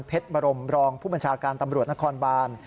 บรมรองผู้บัญชาการตำรวจนครบาน